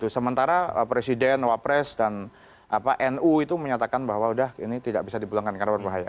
sementara presiden wapres dan nu itu menyatakan bahwa udah ini tidak bisa dipulangkan karena berbahaya